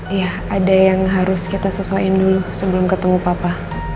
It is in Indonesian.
iya ada yang harus kita sesuaiin dulu sebelum ketemu papa